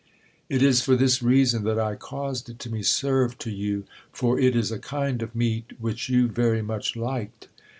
"It is for this reason that I caused it to be served to you, for it is a kind of meat which you very much liked.